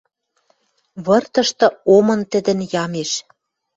Выртышты омын тӹдӹн ямеш.